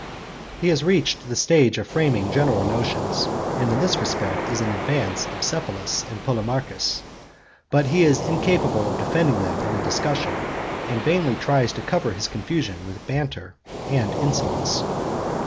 He has reached the stage of framing general notions, and in this respect is in advance of Cephalus and Polemarchus. But he is incapable of defending them in a discussion, and vainly tries to cover his confusion with banter and insolence.